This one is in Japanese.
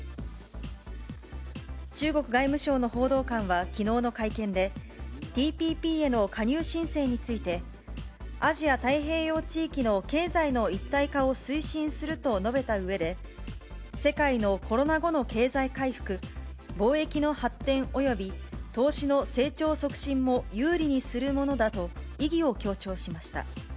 中国外務省の報道官はきのうの会見で、ＴＰＰへの加入申請について、アジア太平洋地域の経済の一体化を推進すると述べたうえで、世界のコロナ後の経済回復、貿易の発展および投資の成長促進も有利にするものだと意義を強調しました。